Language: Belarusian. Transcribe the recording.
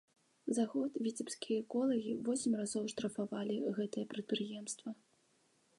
За год віцебскія эколагі восем разоў штрафавалі гэтае прадпрыемства.